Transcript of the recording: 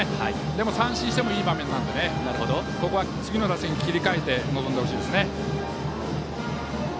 でも三振してもいい場面なので切り替えて臨んでほしいですね。